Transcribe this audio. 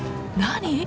何？